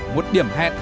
một điểm hẹn